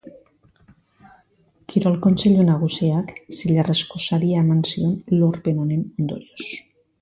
Kirol Kontseilu Nagusiak zilarrezko saria eman zion lorpen honen ondorioz.